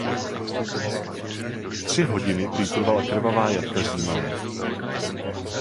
Tři hodiny prý trvala krvavá jatka Římanů.